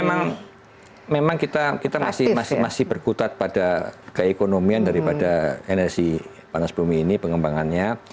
jadi memang kita masih berkutat pada keekonomian daripada energi panas bumi ini pengembangannya